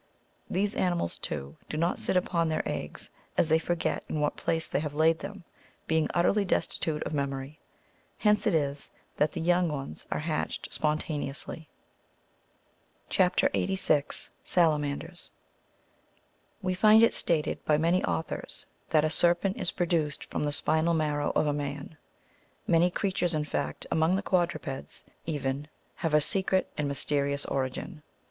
These animals, too, do not sit upon their eggs, as they forget in what place they have laid them, being utterly destitute of memory ; hence it is that the young ones are hatched spontaneously. CHAP. 86. (66.) SALAMANDERS. We find it stated by many authors,^® that a serpent is pro duced from the spinal marrow of a man. Many creatures, in fact, among the quadrupeds even, have a secret and mysterious origin.